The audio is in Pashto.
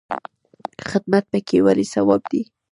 خدمت پکې ولې ثواب دی؟